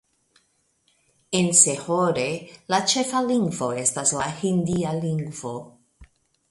En Sehore la ĉefa lingvo estas la hindia lingvo.